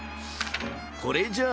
［これじゃ］